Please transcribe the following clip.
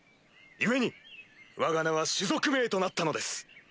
故にわが名は種族名となったのです！